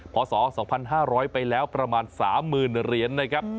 พศ๒๕๐๐ไปแล้วประมาณ๓๐๐๐เหรียญนะครับ